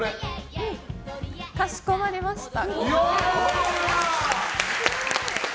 かしこまりました。